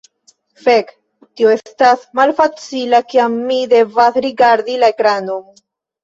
Fek, tio estas malfacila kiam mi devas rigardi la ekranon.